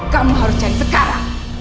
kamu harus cari sekarang